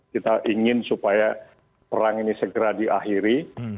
kita ingin supaya perang ini segera diakhiri